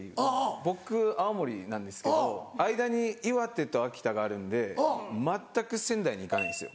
僕青森なんですけど間に岩手と秋田があるんで全く仙台に行かないんですよ。